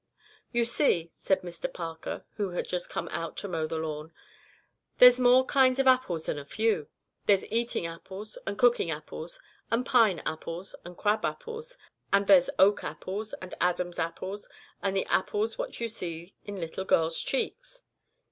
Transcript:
"You see," said Mr Parker, who had just come out to mow the lawn, "there's more kinds of apples than a few. There's eating apples and cooking apples and pineapples and crab apples; and there's oak apples and Adam's apples and the apples what you sees in little girls' cheeks."